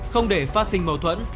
không để phát sinh mâu thuẫn